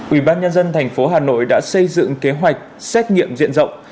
ủy ban nhân dân thành phố hà nội đã xây dựng kế hoạch xét nghiệm diện rộng